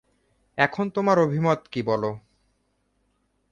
এখন তোমার অভিমত কি বল।